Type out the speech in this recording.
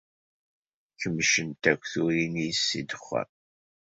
Kemcent akk turin-is si ddexxan.